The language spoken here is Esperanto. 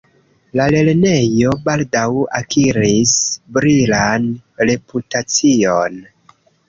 La lernejo baldaŭ akiris brilan reputacion.